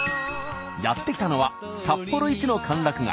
やって来たのは札幌一の歓楽街